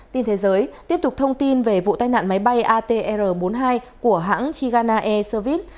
tin thế giới tiếp tục thông tin về vụ tai nạn máy bay atr bốn mươi hai của hãng chigana air soviet